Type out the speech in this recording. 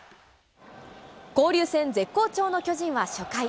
交流戦絶好調の巨人は初回。